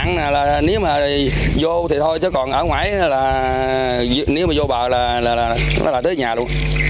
nếu mà vô thì thôi chứ còn ở ngoài nếu mà vô bạo là tới nhà luôn